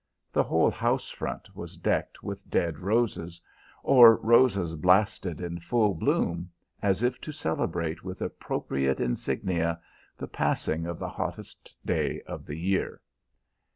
The whole house front was decked with dead roses, or roses blasted in full bloom, as if to celebrate with appropriate insignia the passing of the hottest day of the year.